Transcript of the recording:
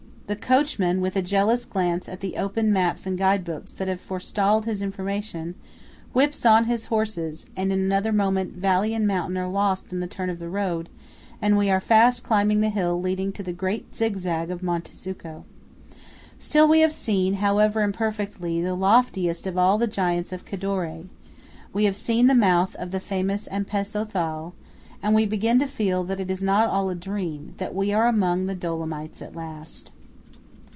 The coachman, with a jealous glance at the open maps and guide books that have forestalled his information, whips on his horses, and in another moment valley and mountain are lost in the turn of the road, and we are fast climbing the hill leading to the great zigzag of Monte Zucco. Still we have seen, however imperfectly, the loftiest of all the giants of Cadore; we have seen the mouth of the famous Ampezzo Thal, and we begin to feel that it is not all a dream, but that we are among the Dolomites at last.